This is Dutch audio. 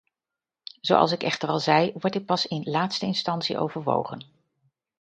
Zoals ik echter al zei, wordt dit pas in laatste instantie overwogen.